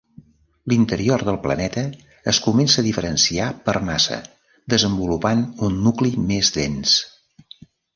L'interior del planeta es comença a diferenciar per massa, desenvolupant un nucli més dens.